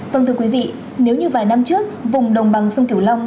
vâng thưa quý vị nếu như vài năm trước vùng đồng bằng sông kiểu long